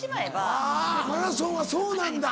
あぁマラソンはそうなんだ。